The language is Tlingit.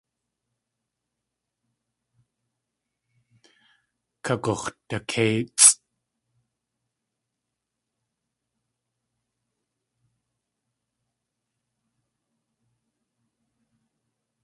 Kagux̲dakéitsʼ.